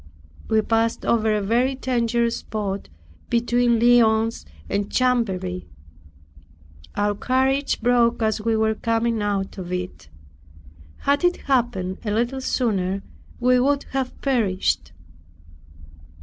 We passed over a very dangerous spot between Lyons and Chamberry. Our carriage broke as we were coming out of it. Had it happened a little sooner, we would have perished.